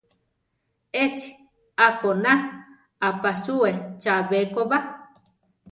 Échi a-koná aʼpasúe chabé ko ba.